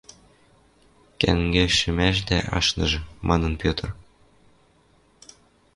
— Кӓнгӓшӹмӓшдӓ ашныжы! — манын Петр.